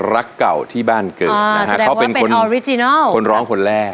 รักเก่าที่บ้านเกิดนะฮะเขาเป็นคนร้องคนแรก